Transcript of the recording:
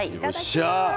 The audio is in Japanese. よっしゃあ！